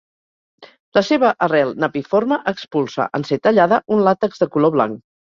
La seva arrel napiforme expulsa, en ser tallada, un làtex de color blanc.